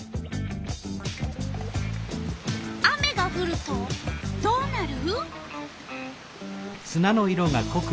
雨がふるとどうなる？